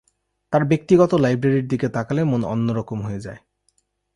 তাঁর ব্যক্তিগত লাইব্রেরির দিকে তাকালে মন অন্য রকম হয়ে যায়।